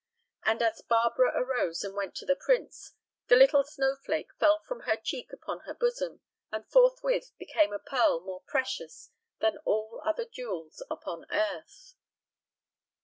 And as Barbara arose and went to the prince, the little snowflake fell from her cheek upon her bosom, and forthwith became a pearl more precious than all other jewels upon earth.